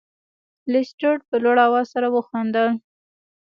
لیسټرډ په لوړ اواز سره وخندل.